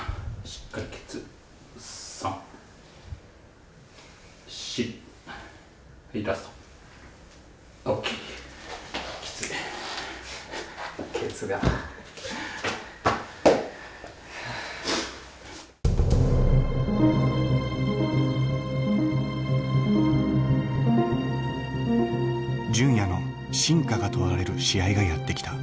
純也の真価が問われる試合がやってきた。